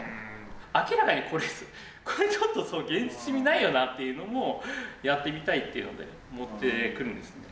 明らかにこれちょっと現実味ないよなっていうのもやってみたいっていうので持ってくるんですね。